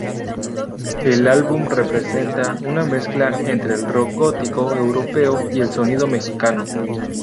El álbum representa una mezcla entre el rock gótico europeo y el sonido mexicano.